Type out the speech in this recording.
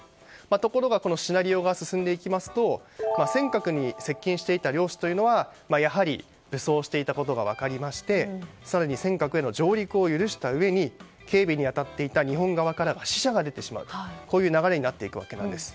ところがこのシナリオが進んでいきますと尖閣に接近していた漁師というのはやはり武装していたことが分かりまして更に、尖閣への上陸を許した上に警備に当たっていた日本側からは死者が出てしまうという流れになっていくわけです。